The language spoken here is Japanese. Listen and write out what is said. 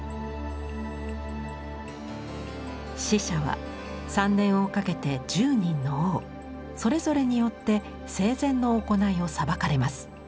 死者は３年をかけて１０人の王それぞれによって生前の行いを裁かれます。